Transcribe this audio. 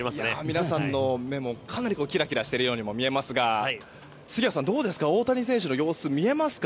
皆さんの目もかなりキラキラしているようにも見えますが杉谷さん、大谷選手の様子見えますか？